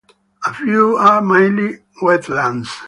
A few are mainly wetlands.